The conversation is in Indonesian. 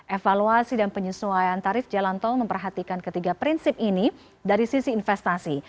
evaluasi dan penyesuaian tarif jalan tol memperhatikan ketiga prinsip ini dari sisi investasi